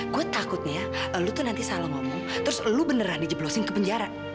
gue takutnya lu tuh nanti salah ngomong terus lu beneran dijeblosin ke penjara